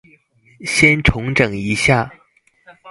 先重整一下